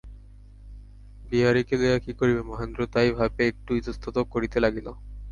বিহারীকে লইয়া কী করিবে, মহেন্দ্র তাই ভাবিয়া একটু ইতস্তত করিতে লাগিল।